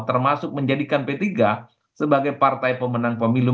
termasuk menjadikan p tiga sebagai partai pemenang pemilu